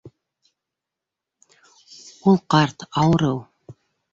Ул ҡарт, ауырыу.